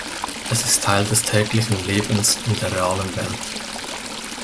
Es ist Teil des täglichen Lebens in der realen Welt.